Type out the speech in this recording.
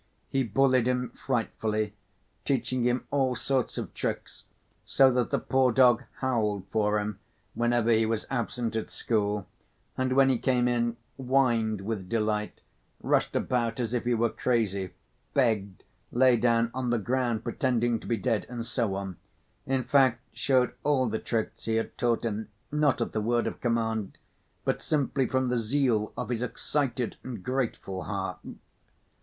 He bullied him frightfully, teaching him all sorts of tricks, so that the poor dog howled for him whenever he was absent at school, and when he came in, whined with delight, rushed about as if he were crazy, begged, lay down on the ground pretending to be dead, and so on; in fact, showed all the tricks he had taught him, not at the word of command, but simply from the zeal of his excited and grateful heart.